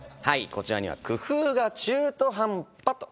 こちらには「工夫が中途半端！」と。